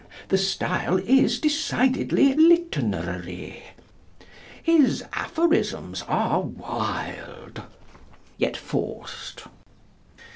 The style is decidedly Lyttonerary. His aphorisms are Wilde, yet forced.